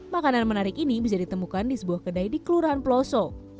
makanan menarik ini bisa ditemukan di sebuah kedai di kelurahan peloso